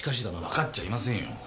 わかっちゃいませんよ。